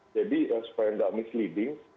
jadi supaya tidak misleading